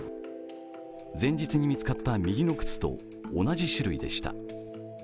前日に見つかった右の靴と同じ種類でした。